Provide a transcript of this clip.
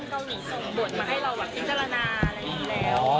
เกาหลีส่งบทมาให้เราหวังที่จรรยานาอะไรอย่างงี้แล้ว